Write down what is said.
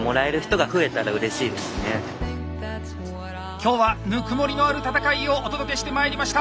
今日はぬくもりのある戦いをお届けしてまいりました。